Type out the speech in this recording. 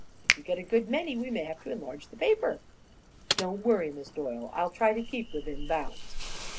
If you get a good many, we may have to enlarge the paper." "Don't worry, Miss Doyle; I'll try to keep within bounds."